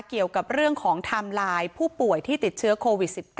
เกี่ยวกับเรื่องของไทม์ไลน์ผู้ป่วยที่ติดเชื้อโควิด๑๙